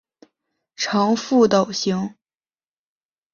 呈覆斗形。